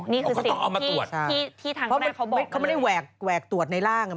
นี่คือที่ท่านคุณแทนครอบบ่อกมาเลยใช่เขาไม่ได้แวกตรวจในร่าง